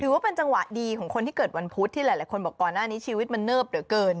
ว่าเป็นจังหวะดีของคนที่เกิดวันพุธที่หลายคนบอกก่อนหน้านี้ชีวิตมันเนิบเหลือเกิน